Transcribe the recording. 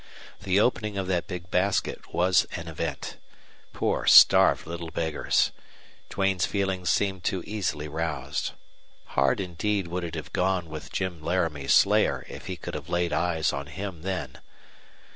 The opening of that big basket was an event. Poor, starved little beggars! Duane's feelings seemed too easily roused. Hard indeed would it have gone with Jim Laramie's slayer if he could have laid eyes on him then.